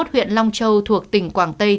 huyện long châu thuộc tỉnh quảng tây